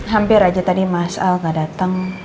hampir aja tadi mas al gak dateng